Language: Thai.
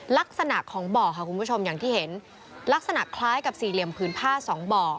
ลักษณะของบ่อค่ะคุณผู้ชมอย่างที่เห็นลักษณะคล้ายกับสี่เหลี่ยมพื้นผ้าสองบ่อ